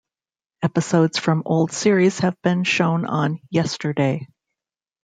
Episodes from old series have been shown on Yesterday.